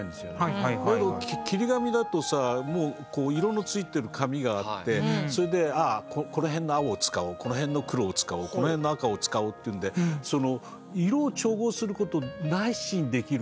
だけど切り紙だとさもう色のついてる紙があってそれでああこの辺の青を使おうこの辺の黒を使おうこの辺の赤を使おうっていうんでその色を調合することなしにできるからね